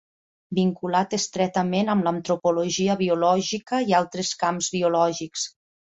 Vinculat estretament amb l'antropologia biològica i altres camps biològics.